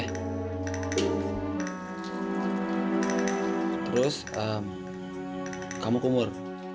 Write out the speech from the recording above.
terus eh kamu kumur